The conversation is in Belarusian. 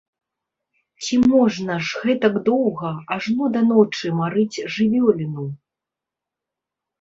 Ці можна ж гэтак доўга, ажно да ночы, марыць жывёліну!